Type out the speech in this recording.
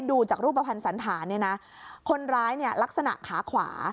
ดูจากรูปภัณฑ์สันธารเนี่ยนะคนร้ายเนี่ยลักษณะขาขวา